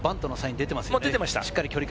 出てました。